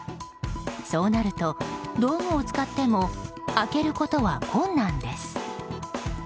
そうなると、道具を使っても開けることは困難です。